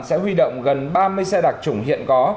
sẽ huy động gần ba mươi xe đặc trùng hiện có